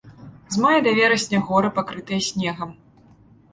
З мая да верасня горы пакрытыя снегам.